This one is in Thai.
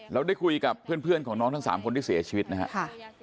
เราได้คุยกับเพื่อนของน้องทั้ง๓คนที่เสียชีวิตนะครับ